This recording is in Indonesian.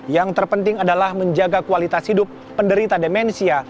yang terpenting adalah menjaga kualitas hidup penderita demensia